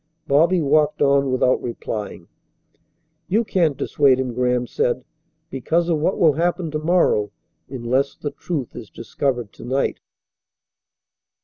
Bobby walked on without replying. "You can't dissuade him," Graham said, "because of what will happen to morrow unless the truth is discovered to night."